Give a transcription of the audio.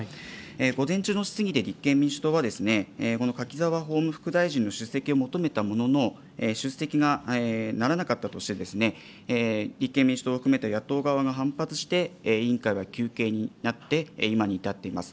午前中の質疑で立憲民主党は、この柿沢法務副大臣の出席を求めたものの、出席がならなかったとしてですね、立憲民主党を含めた野党側が反発して、委員会は休憩になって、今に至っています。